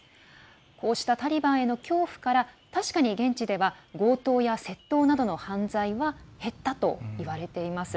こうしたタリバンへの恐怖から確かに現地では強盗や窃盗などの犯罪は減ったといわれています。